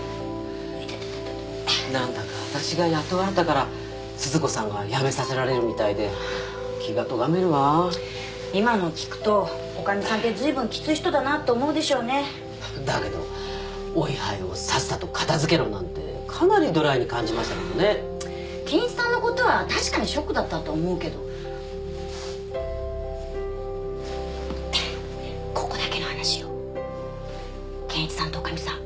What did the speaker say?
なんだか私が雇われたから鈴子さんが辞めさせられるみたいで気がとがめるわぁ今のを聞くと女将さんってずいぶんきつい人だなと思うでしょうねだけどお位牌をさっさと片づけろなんてかなりドライに感じましたけどね謙一さんのことは確かにショックだったと思うけどここだけの話よ謙一さんと女将さん